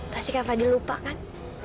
pasti kak fadil lupa kan